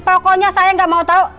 pokoknya saya nggak mau tahu